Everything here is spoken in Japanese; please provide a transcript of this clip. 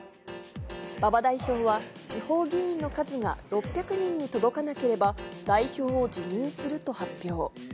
馬場代表は、地方議員の数が６００人に届かなければ、代表を辞任すると発表。